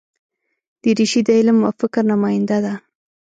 دریشي د علم او فکر نماینده ده.